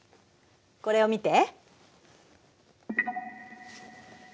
これを見て。